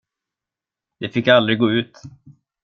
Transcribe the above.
De fick aldrig gå ut.